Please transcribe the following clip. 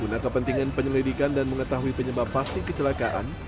guna kepentingan penyelidikan dan mengetahui penyebab pasti kecelakaan